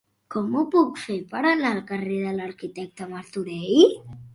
Com ho puc fer per anar al carrer de l'Arquitecte Martorell?